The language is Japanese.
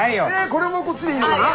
これもこっちでいいのかな？